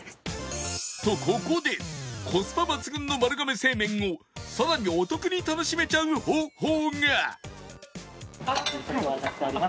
とここでコスパ抜群の丸亀製麺をさらにお得に楽しめちゃう方法が渡しております